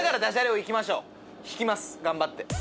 引きます頑張って。